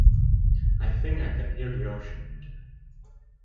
I think I can hear the ocean in there.